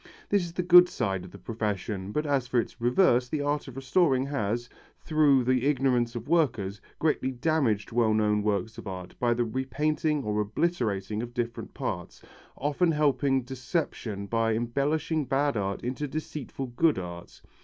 This is the good side of the profession, but as for its reverse, the art of restoring has, through the ignorance of workers, greatly damaged well known works of art by the repainting or obliterating of different parts, often helping deception by embellishing bad art into deceitful good art.